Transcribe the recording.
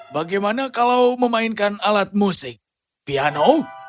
bagaimana kalau memainkan alat musik piano